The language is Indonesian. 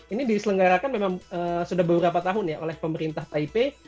ini diselenggarakan memang sudah beberapa tahun ya oleh pemerintah taipei